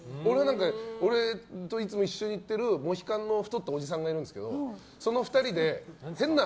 俺といつも一緒に行ってるモヒカンの太ったおじさんがいるんだけどその２人で。